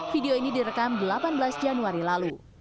video ini direkam delapan belas januari lalu